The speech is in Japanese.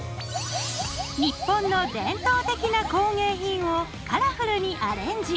日本の伝統的な工芸品をカラフルにアレンジ。